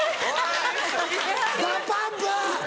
ＤＡＰＵＭＰ！